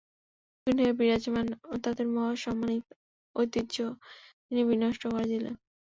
দুনিয়ায় বিরাজমান তাদের মহা সম্মান ঐতিহ্য তিনি বিনষ্ট করে দিলেন।